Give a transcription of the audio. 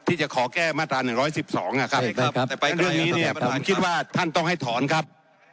ที่จะขอแก้มาตรา๑๑๒นะครับแต่ไปเรื่องนี้เนี่ยผมคิดว่าท่านต้องให้ถอนครับ